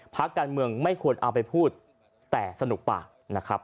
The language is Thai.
พักการเมืองไม่ควรเอาไปพูดแต่สนุกปากนะครับ